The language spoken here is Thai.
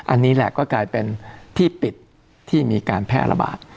อันนี้แหละก็กลายเป็นที่ปิดที่มีการแพร่ระบาด